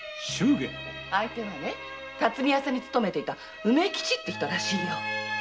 相手は巽屋さんに勤めてた“梅吉”って人らしいよ。